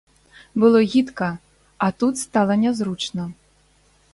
Было гідка, а тут стала нязручна.